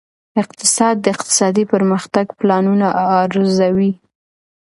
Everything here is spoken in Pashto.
اقتصاد د اقتصادي پرمختګ پلانونه ارزوي.